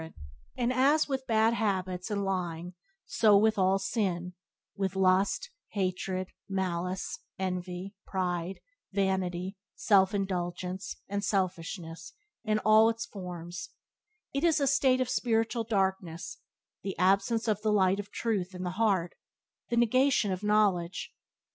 Byways to Blessedness by James Allen 42 And as with bad habits and lying so with all sin — with lust, hatred, malice, envy, pride, vanity, self indulgence and selfishness in all its forms; it is a state of spiritual darkness, the absence of the Light of Truth in the heart, the negation of knowledge.